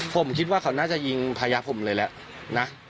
ผมคิดว่าเขาน่าจะยิงภายะผมเลยนะ